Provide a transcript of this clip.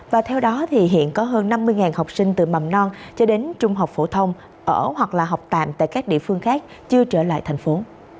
và theo đó thì hiện có hơn năm mươi học sinh từ mầm non cho đến trung học phổ thông ở hoặc là học tạm tại các địa phương khác chưa trở lại thành phố